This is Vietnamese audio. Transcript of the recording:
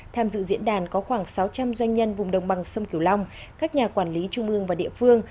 tham dự diễn đàn có khoảng sáu trăm linh doanh nhân vùng đồng bằng sông kiều long các nhà quản lý trung ương và địa phương